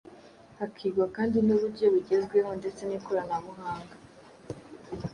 hakigwa kandi n’uburyo bugezweho ndetse n’ikoranabuhanga